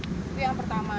itu yang pertama